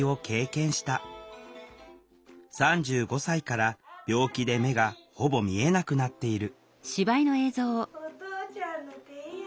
３５歳から病気で目がほぼ見えなくなっている「お父ちゃんの手や」。